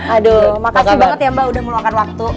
aduh makasih banget ya mbak udah meluangkan waktu